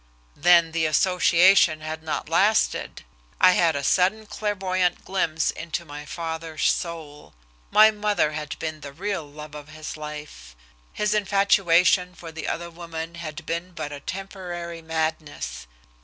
Then the association had not lasted. I had a sudden clairvoyant glimpse into my father's soul. My mother had been the real love of his life. His infatuation for the other woman had been but a temporary madness.